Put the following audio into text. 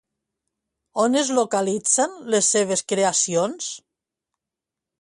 On es localitzen les seves creacions?